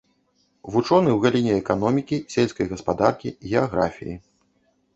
Вучоны ў галіне эканомікі, сельскай гаспадаркі, геаграфіі.